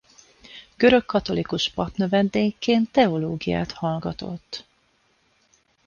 Görögkatolikus papnövendékként teológiát hallgatott.